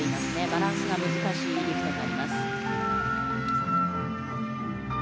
バランスが難しいリフトになります。